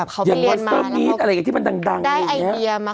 ก็เหมือนแบบเขาเปลี่ยนมาได้ไอเดียมา